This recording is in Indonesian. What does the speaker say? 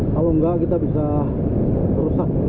kalau enggak kita bisa rusak